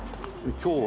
今日は